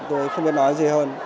tôi không biết nói gì hơn